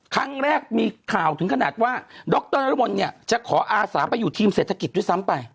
ครั้งแรกมีข่าวถึงขนาดว่าดรนรมนเนี่ยจะขออาสาไปอยู่ทีมเศรษฐกิจด้วยซ้ำไป